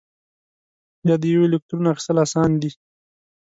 یا د یوه الکترون اخیستل آسان دي؟